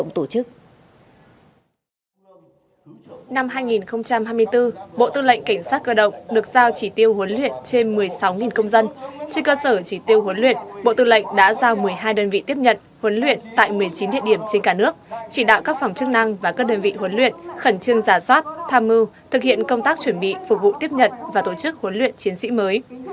trên cơ sở chỉ tiêu huấn luyện bộ tư lệnh đã giao một mươi hai đơn vị tiếp nhận huấn luyện tại một mươi chín địa điểm trên cả nước chỉ đạo các phòng chức năng và các đơn vị huấn luyện khẩn trương giả soát tham mưu thực hiện công tác chuẩn bị phục vụ tiếp nhận và tổ chức huấn luyện chiến sĩ mới